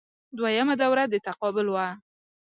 دویمه دوره د تقابل وه